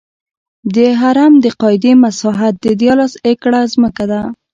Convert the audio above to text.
د هرم د قاعدې مساحت دیارلس ایکړه ځمکه ده.